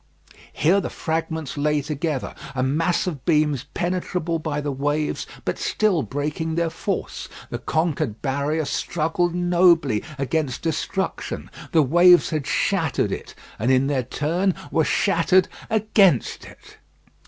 Here the fragments lay together, a mass of beams penetrable by the waves, but still breaking their force. The conquered barrier struggled nobly against destruction. The waves had shattered it, and in their turn were shattered against it.